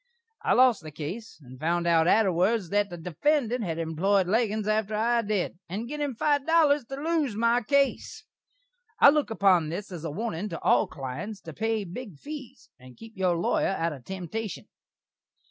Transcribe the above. I lost the case, and found out atterwards that the defendant had employed Leggins atter I did, and gin him five dollars to lose my case. I look upon this as a warnin' to all klients to pay big fees and keep your lawyer out of temtashun.